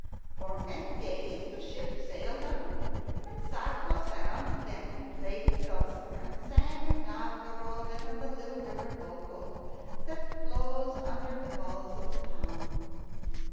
For many days the ship sailed on, and Sadko sat on deck and played his dulcimer and sang of Novgorod and of the little river Volkhov that flows under the walls of the town.